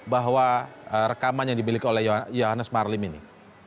bahwa rekaman yang dibelik oleh yohanes marlim ini